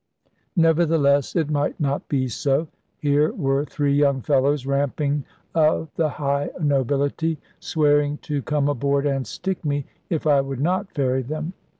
Nevertheless it might not be so. Here were three young fellows ramping of the high nobility, swearing to come aboard and stick me, if I would not ferry them.